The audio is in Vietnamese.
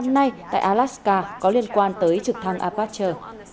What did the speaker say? vụ tai nạn này tại alaska có liên quan tới trực thăng apache